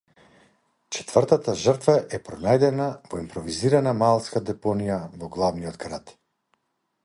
Четвртата жртва е пронајдена во импровизирана маалска депонија во главниот град.